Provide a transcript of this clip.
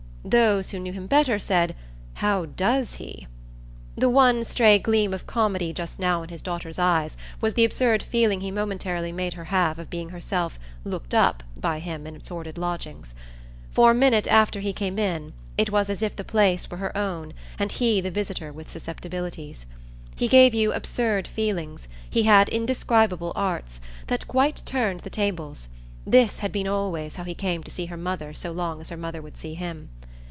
those who knew him better said "How DOES he?" The one stray gleam of comedy just now in his daughter's eyes was the absurd feeling he momentarily made her have of being herself "looked up" by him in sordid lodgings. For a minute after he came in it was as if the place were her own and he the visitor with susceptibilities. He gave you absurd feelings, he had indescribable arts, that quite turned the tables: this had been always how he came to see her mother so long as her mother would see him.